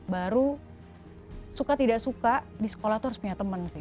baru suka tidak suka di sekolah itu harus punya teman sih